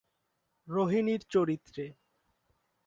রোহিণী র চরিত্রে।